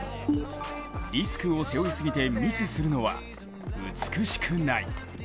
リスクを背負いすぎてミスするのは、美しくない。